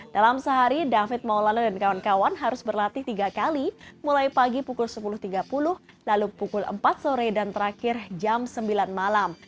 dalam sehari david maulana dan kawan kawan harus berlatih tiga kali mulai pagi pukul sepuluh tiga puluh lalu pukul empat sore dan terakhir jam sembilan malam